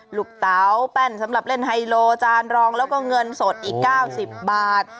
ลูกเต๋าแป้นสำหรับเล่นไฮโลจานรองแล้วก็เงินสดอีก๙๐บาท